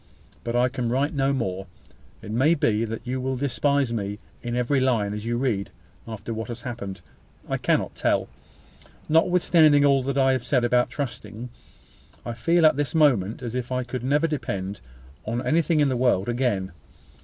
But I can write no more. It may be that you will despise me in every line as you read: after what has happened, I cannot tell. Notwithstanding all I have said about trusting, I feel at this moment as if I could never depend on anything in this world again.